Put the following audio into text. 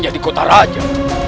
jadi kota raja